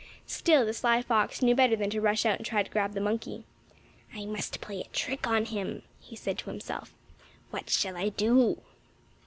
Still the sly fox knew better than to rush out and try to grab the monkey. "I must play a trick on him," he said to himself. "What shall I do?"